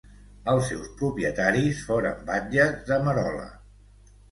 Els seus propietaris foren batlles de Merola.